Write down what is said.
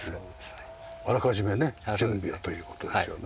あらかじめね準備をという事ですよね。